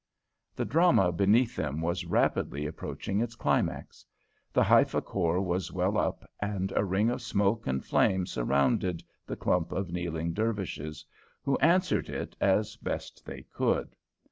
The drama beneath them was rapidly approaching its climax. The Haifa Corps was well up, and a ring of smoke and flame surrounded the clump of kneeling Dervishes, who answered it as best they could.